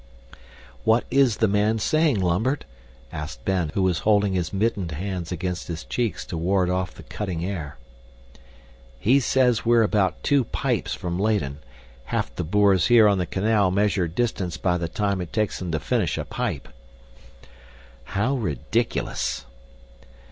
"What is the man saying, Lambert?" asked Ben, who was holding his mittened hands against his cheeks to ward off the cutting air. "He says we're about two pipes from Leyden. Half the boors here on the canal measure distance by the time it takes them to finish a pipe." "How ridiculous."